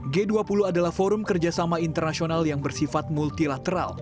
g dua puluh adalah forum kerjasama internasional yang bersifat multilateral